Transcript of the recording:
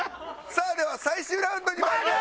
さあでは最終ラウンドにまいりましょう。